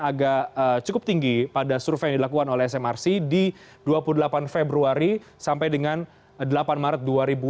agak cukup tinggi pada survei yang dilakukan oleh smrc di dua puluh delapan februari sampai dengan delapan maret dua ribu dua puluh